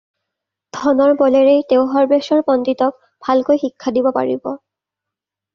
ধনৰ বলেৰেই তেওঁ সৰ্ব্বেশ্বৰ পণ্ডিতক ভালকৈ শিক্ষা দিব পাৰিব।